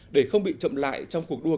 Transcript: để không bị chậm lại trong cuộc đua